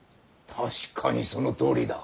確かにそのとおりだ。